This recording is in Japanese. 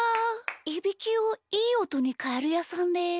いびきをいいおとにかえるやさんです。